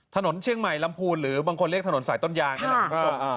ถนนเชียงใหม่ลำพูนหรือบางคนเรียกถนนสายต้นยางนี่แหละคุณผู้ชม